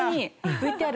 ＶＴＲ。